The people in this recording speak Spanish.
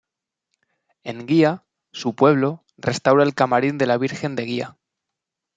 En Guía, su pueblo, restaura el Camarín de la Virgen de Guía.